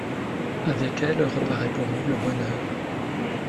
Avec elle reparaît pour nous le bonheur.